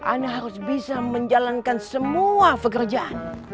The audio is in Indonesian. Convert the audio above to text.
anda harus bisa menjalankan semua pekerjaan